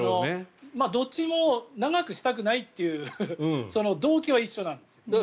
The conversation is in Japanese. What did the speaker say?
どっちも長くしたくないっていうその動機は一緒なんです。